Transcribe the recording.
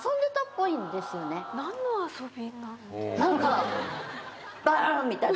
何か。